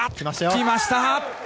来ました！